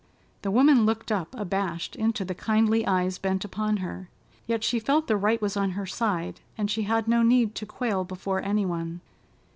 The woman looked up abashed into the kindly eyes bent upon her. Yet she felt the right was on her side, and she had no need to quail before any one.